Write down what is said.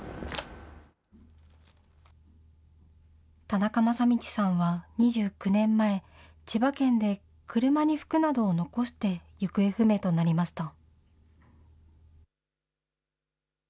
田中正道さんは２９年前、千葉県で車に服などを残して行方不明となりました。